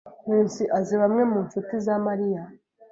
Nkusi azi bamwe mu nshuti za Mariya.